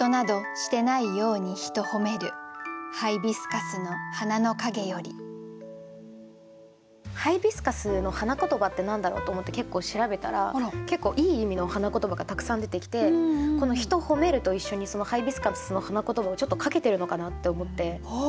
今週のテーマはハイビスカスの花言葉って何だろうと思って結構調べたら結構いい意味の花言葉がたくさん出てきてこの「ひと褒める」と一緒にそのハイビスカスの花言葉をちょっとかけてるのかなって思って。